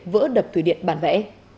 vỡ đập thủy điện bản vẽ